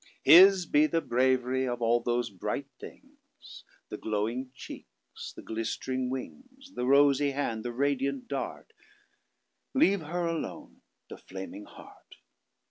His be the bravery of all those Bright things. The glowing cheekes, the glistering wings; The Rosy hand, the radiant Dart; Leave Her alone The Flaming Heart.